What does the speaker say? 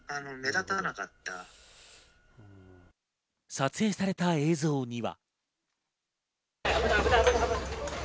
撮影された映像には。